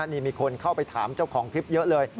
นี่มีคนเข้าไปถามเจ้าของคลิปเยอะเลย